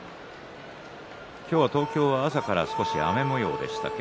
今日は東京は、朝から少し雨もようでしたね。